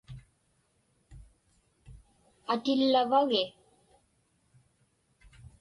Atillavagi?